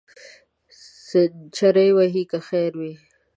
سینچري وهې که خیر وي.